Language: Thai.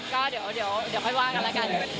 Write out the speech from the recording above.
ก็เดี๋ยวค่อยว่ากันแล้วกัน